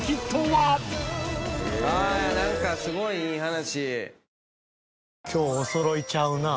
何かすごいいい話。